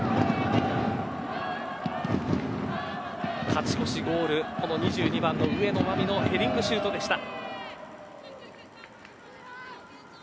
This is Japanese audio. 勝ち越しゴール２２番の上野真実のヘディングシュートでした。